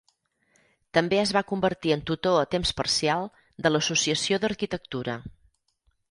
També es va convertir en tutor a temps parcial a l'Associació d'Arquitectura.